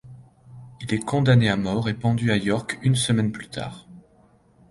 Il est condamné à mort et pendu à York une semaine plus tard.